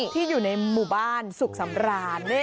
ที่อยู่ในหมู่บ้านสุขสำราญ